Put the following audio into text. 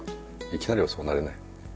いきなりはそうなれない。